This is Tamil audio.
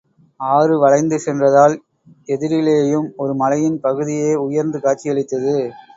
ஆறு வளைந்து சென்றதால் எதிரிலேயும் ஒரு மலையின் பகுதியே உயர்ந்து காட்சியளித்தது.